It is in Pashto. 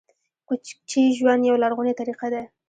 کوچي ژوند یوه لرغونې طریقه ده